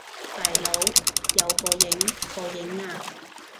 大佬，有個影！個影呀！